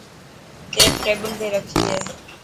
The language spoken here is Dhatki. پيپ ٽيبل تي رکي هي.